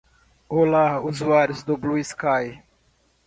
Olá, usuários do BlueSky